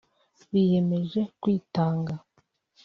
biyemeje kwitanga